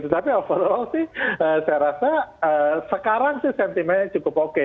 tetapi overall sih saya rasa sekarang sih sentimennya cukup oke